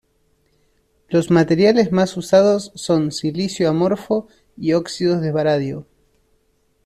Los materiales más usados son silicio amorfo y óxidos de vanadio.